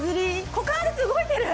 股関節動いてる！